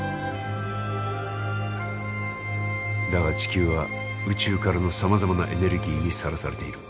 だが地球は宇宙からのさまざまなエネルギーにさらされている。